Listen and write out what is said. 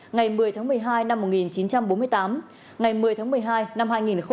ngày một mươi tháng một mươi hai năm một nghìn chín trăm bốn mươi tám ngày một mươi tháng một mươi hai năm hai nghìn một mươi chín